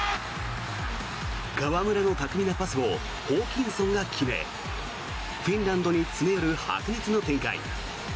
河村選手の巧みなパスをホーキンソンが決めフィンランドに詰め寄る白熱の展開。